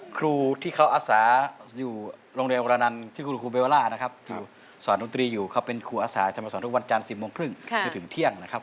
ครูที่เขาอาศาอยู่โรงเรียนเวลานั้นที่คุณครูเบวาร่านะครับ